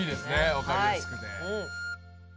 分かりやすくて。